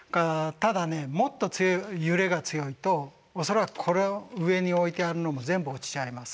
ただねもっと強い揺れが強いと恐らくこの上に置いてあるのも全部落ちちゃいます。